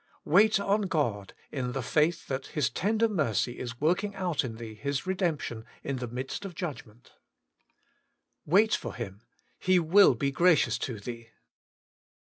* Wait on God, in the faith that His tender mercy is working out in thee His redemption in the midst of judgment: wait for Him, He will be gracious to thee.